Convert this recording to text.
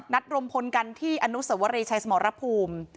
นัดรมพลกันที่อนุสวรรย์ชายสมรภูมิ